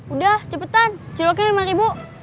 udah cepetan ciloknya rp lima ribu